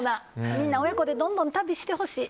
みんな親子でどんどん旅してほしい。